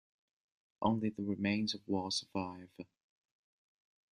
Only the remains of walls survive.